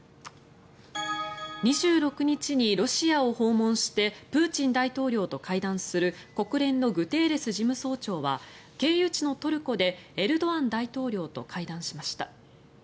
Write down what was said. ２６日にロシアを訪問してプーチン大統領と会談する国連のグテーレス事務総長は経由地のトルコでエルドアン大統領と会談しました。